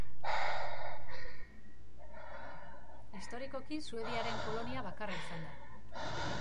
Historikoki, Suediaren kolonia bakarra izan da.